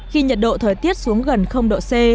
khi nhật độ thời tiết xuống gần năm độ c